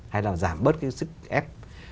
hay là giảm bớt cái sức ép